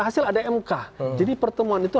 hasil ada mk jadi pertemuan itu